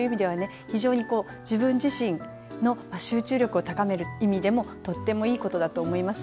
非常に自分自身の集中力を高める意味でもとってもいい事だと思います。